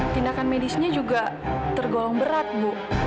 tindakan medisnya juga tergolong berat bu